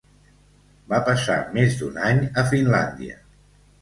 Va passar més d'un any a Finlàndia.